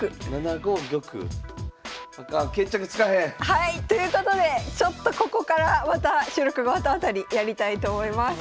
はいということでちょっとここからまた収録が終わったあとにやりたいと思います。